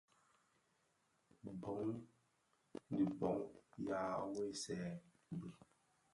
Bông di bông yàa weesën bi.